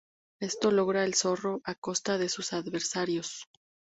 Esto lo logra el zorro a costa de sus adversarios.